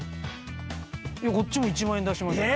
こっちも１万円出しましょう。